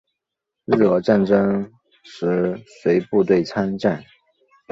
日俄战争时随部队参战。